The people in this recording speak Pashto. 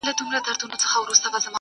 خُمار مي د عمرونو میکدې ته وو راوړی!.